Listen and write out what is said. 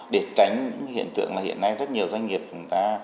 để tránh hiện tượng là hiện nay rất nhiều doanh nghiệp chúng ta